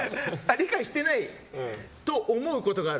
理解してないと思うことがある？